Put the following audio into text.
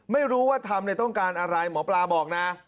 ไม่รู้ว่าทำต้องการอะไรหมอปลาบอกนะ